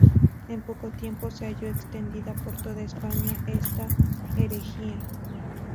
En poco tiempo, se halló extendida por toda España esta herejía.